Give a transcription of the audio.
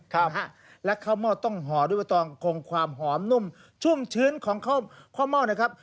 ครับและข้าวหม้อต้องห่อด้วยใบตองคงความหอมนุ่มชุ่มชื้นของข้าวข้าวหม้อนะครับ